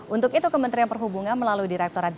untuk itu kementerian perhubungan melalui direkturat jenderal